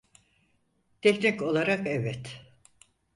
Teknik olarak evet.